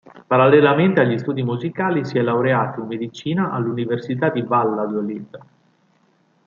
Parallelamente agli studi musicali si è laureato in Medicina all'Università di Valladolid.